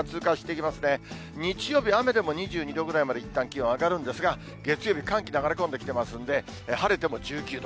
雨でも２２度ぐらいまでいったん気温、上がるんですが、月曜日、寒気流れ込んできてますんで、晴れても１９度。